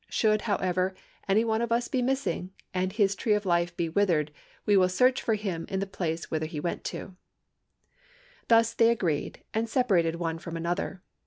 Should, however, any one of us be missing, and his tree of life be withered, we will search for him in the place whither he went to.' "Thus they agreed, and separated one from another.